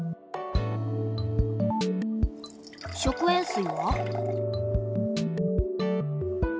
食塩水は？